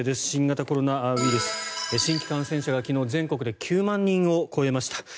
新型コロナウイルス新規感染者が昨日全国で９万人を超えました。